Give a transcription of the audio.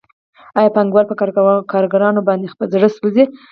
آیا پانګوال په کارګرانو باندې خپل زړه سوځوي